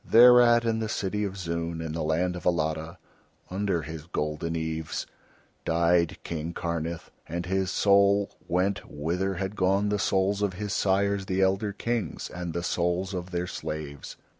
Thereat in the city of Zoon in the land of Alatta, under his golden eaves, died King Karnith, and his soul went whither had gone the souls of his sires the elder Kings, and the souls of their slaves.